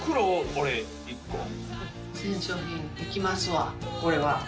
これは。